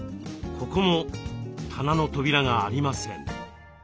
ここも棚の扉がありません。